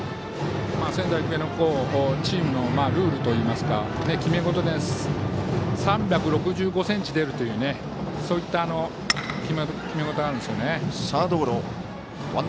仙台育英のチームのルールといいますか決め事で、３６５ｃｍ出るというそういった決め事があるんですね。